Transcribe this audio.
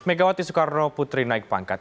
megawati soekarno putri naik pangkat